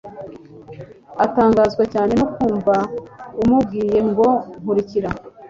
atangazwa cyane no kumva amubwiye ngo : "Nkurikira."